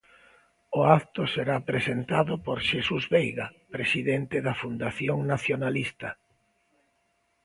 O acto será presentado por Xesús Veiga, presidente da fundación nacionalista.